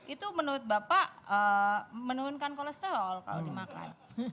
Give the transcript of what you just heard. itu menurut bapak menurunkan kolesterol kalau dimakan